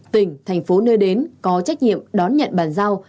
tỉnh thành phố nơi đến có trách nhiệm đón nhận bàn giao